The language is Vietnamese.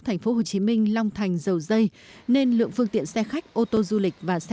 thành phố hồ chí minh long thành dầu dây nên lượng phương tiện xe khách ô tô du lịch